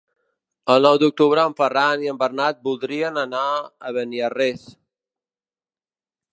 El nou d'octubre en Ferran i en Bernat voldrien anar a Beniarrés.